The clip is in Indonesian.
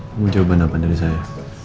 kamu jawaban apa dari saya